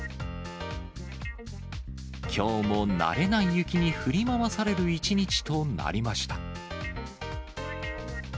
きょうも慣れない雪に振り回される一日となりました。